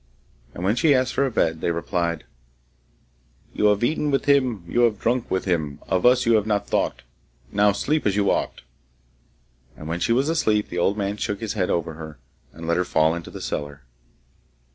And when she asked for a bed, they replied: You have eaten with him You have drunk with him, Of us you have not thought, Now sleep as you ought! And when she was asleep, the old man shook his head over her, and let her fall into the cellar.